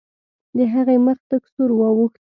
د هغې مخ تک سور واوښت.